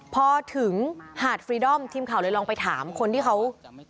พอถึงหาดฟรีดอมทีมข่าวเลยลองไปถามคนที่เขา